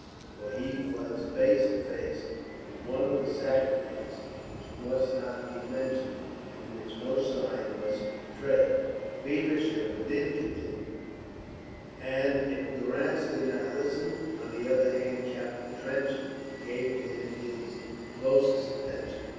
For he was face to face with one of the sacrifices which must not be mentioned, and which no sign must betray. Feversham did continue, and if Durrance did not listen, on the other hand Captain Trench gave to him his closest attention.